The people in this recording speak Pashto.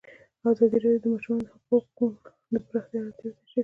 ازادي راډیو د د ماشومانو حقونه د پراختیا اړتیاوې تشریح کړي.